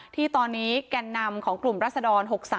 ที่ตอนนี้แก่นนำของกลุ่มรัศดร๖๓